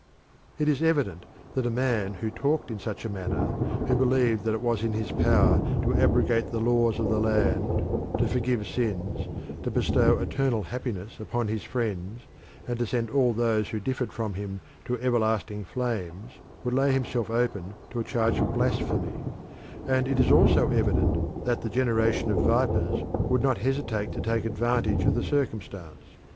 It is evident that a man who talked in such a manner who believed that it was in his power to abrogate the laws of the land, to forgive sins, to bestow eternal happiness upon his friends, and to send all those who differed from him to everlasting flames would lay himself open to a charge of blasphemy, and it is also evident that the "generation of vipers" would not hesitate to take advantage of the circumstance.